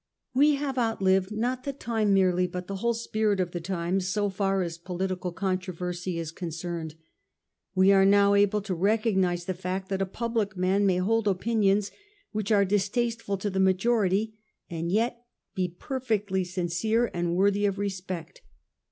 "We have outlived, not the times merely hut the whole spirit of the times so far as political controversy is concerned. We are now able to recognise the fact that a public man may hold opinions which are dis tasteful to the majority, and yet be perfectly sincere and worthy of respect.